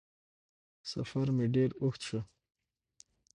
سفر مې ډېر اوږد شو